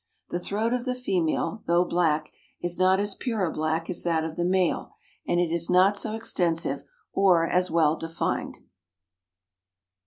The throat of the female, though black, is not as pure a black as that of the male, and it is not so extensive or as well defined.